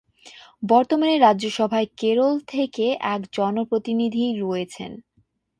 বর্তমানে রাজ্যসভায় কেরল থেকে এক জন প্রতিনিধি রয়েছেন।